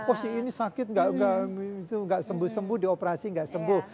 oh si ini sakit gak sembuh sembuh di operasi gak sembuh